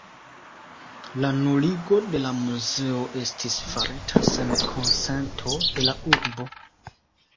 La nuligo de la muzeo estis farita sen konsento de la urbo.